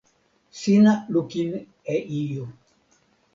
sina lukin e ijo.